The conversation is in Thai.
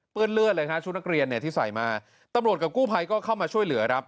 เลือดเลยฮะชุดนักเรียนเนี่ยที่ใส่มาตำรวจกับกู้ภัยก็เข้ามาช่วยเหลือครับ